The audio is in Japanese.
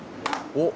おっ！